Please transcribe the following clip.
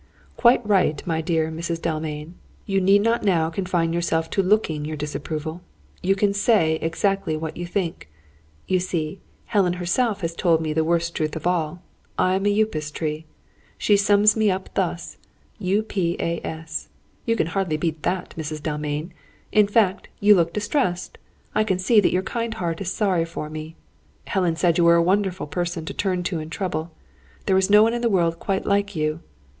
"Quite right, my dear Mrs. Dalmain! You need not now confine yourself to looking your disapproval; you can say exactly what you think. You see, Helen herself has told me the worst truth of all. I am a Upas tree. She sums me up thus: U, P, A, S! You can hardly beat that, Mrs. Dalmain. In fact, you look distressed. I can see that your kind heart is sorry for me. Helen said you were a wonderful person to turn to in trouble. There is no one in the world quite like you.